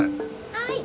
はい。